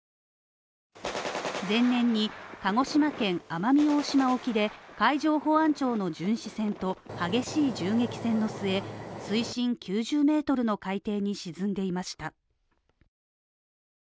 前年に鹿児島県奄美大島沖で海上保安庁の巡視船と激しい銃撃戦の末、水深９０ｍの海底に沈んでいました。